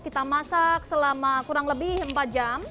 kita masak selama kurang lebih empat jam